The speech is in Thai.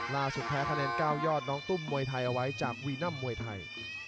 แพ้คะแนน๙ยอดน้องตุ้มมวยไทยเอาไว้จากวีนัมมวยไทย